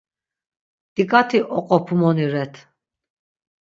Diǩati oqopumoni ret.